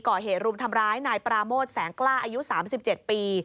ก่อเหตุรุมทำร้ายนายปราโมทแสงกล้าอายุ๓๗ปี